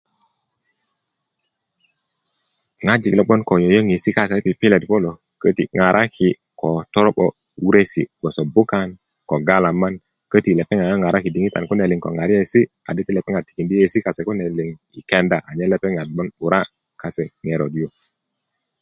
ŋojik lo bgoŋ ko yoyoŋesi kase i pipilet kulo ŋaraki ko toro'bo bgoso bukan ko galaman köti lepeŋat ŋaŋaraki ko yeiyesi adi se tikindi yeiyesi kase kune i kenda manyen lepeŋa bgoŋ 'bura kase ŋerot you